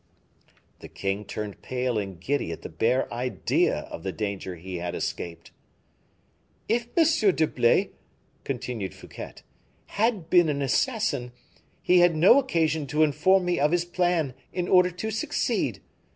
The king turned pale and giddy at the bare idea of the danger he had escaped. "If M. d'Herblay," continued Fouquet, "had been an assassin, he had no occasion to inform me of his plan in order to succeed.